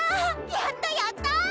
やったやった！